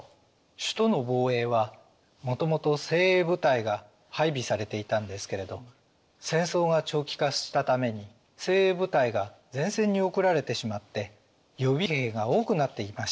首都の防衛はもともと精鋭部隊が配備されていたんですけれど戦争が長期化したために精鋭部隊が前線に送られてしまって予備兵が多くなっていました。